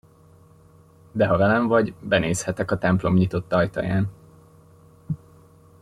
De ha velem vagy, benézhetek a templom nyitott ajtaján.